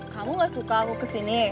kamu nggak suka aku ke sini